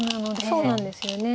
そうなんですよね。